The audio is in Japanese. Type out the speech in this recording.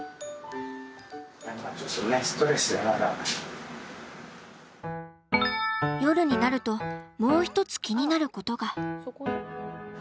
夜になるともう一つ気になることが。